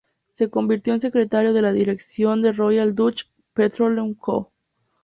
Se convirtió en secretario de la Dirección de Royal Dutch Petroleum Co.